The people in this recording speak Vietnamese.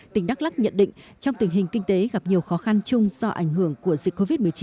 tỉnh đắk lắc nhận định trong tình hình kinh tế gặp nhiều khó khăn chung do ảnh hưởng của dịch covid một mươi chín